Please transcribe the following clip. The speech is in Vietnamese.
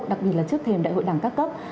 đặc biệt là trước thềm đại hội đảng các cấp